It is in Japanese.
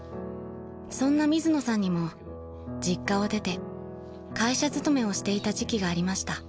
［そんな水野さんにも実家を出て会社勤めをしていた時期がありました］